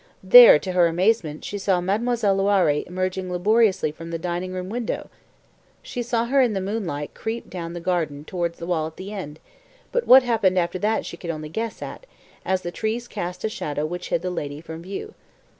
There, to her amazement, she saw Mademoiselle Loiré emerging laboriously from the dining room window. She saw her in the moonlight creep down the garden towards the wall at the end, but what happened after that she could only guess at, as the trees cast a shadow which hid the lady from view.